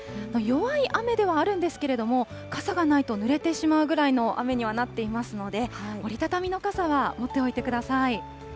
弱い雨ではあるんですけれども、傘がないとぬれてしまうぐらいの雨にはなっていますので、折り畳みの傘は持っておいてください。